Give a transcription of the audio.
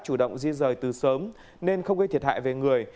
chủ động di rời từ sớm nên không gây thiệt hại về người